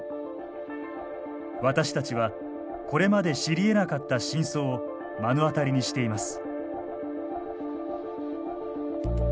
私たちはこれまで知りえなかった真相を目の当たりにしています。